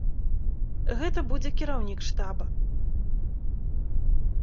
Гэта будзе кіраўнік штаба.